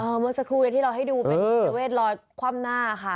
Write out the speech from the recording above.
เมื่อสักครู่ที่เราให้ดูเป็นประเวทรอยคว่ำหน้าค่ะ